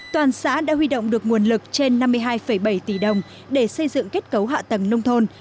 toàn xã đã huy động được nguồn lực trên năm mươi hai bảy tỷ đồng để xây dựng kết cấu hạ tầng nông thôn